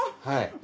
はい。